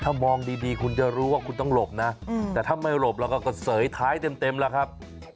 ถ้ามองดีคุณจะรู้ว่าคุณต้องหลบนะแต่ถ้าไม่หลบเราก็เสยท้ายเต็มแล้วครับ